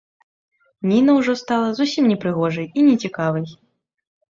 Ніна ўжо стала зусім непрыгожай і нецікавай.